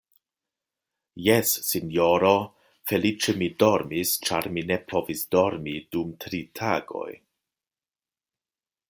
Jes, sinjoro, feliĉe mi dormis, ĉar mi ne povis dormi dum tri tagoj.